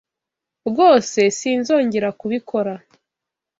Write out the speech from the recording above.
Rwose sinzongera kubikora.